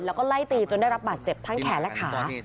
แล้วก็ไล่ตีจนได้รับบาดเจ็บทั้งแขนและขา